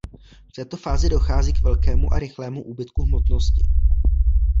V této fázi dochází k velkému a rychlému úbytku hmotnosti.